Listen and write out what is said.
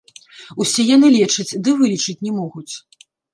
Усе яны лечаць, ды вылечыць не могуць.